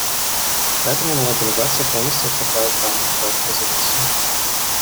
Поэтому моя делегация полностью отвергает данный проект резолюции.